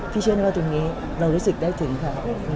เชื่อแน่ว่าตรงนี้เรารู้สึกได้ถึงค่ะ